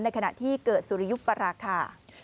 ขณะที่เกิดสุริยุปราคา